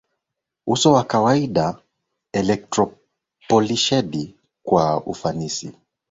Uso wa kawaida electropolished kwa ufanisi